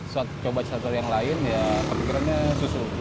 kita coba satu satu yang lain ya pikirannya susu